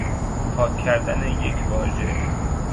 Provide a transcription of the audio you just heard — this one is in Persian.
پاک کردن یک واژه